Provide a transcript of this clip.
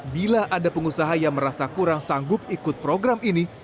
bila ada pengusaha yang merasa kurang sanggup ikut program ini